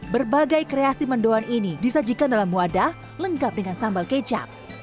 berbagai kreasi mendoan ini disajikan dalam wadah lengkap dengan sambal kecap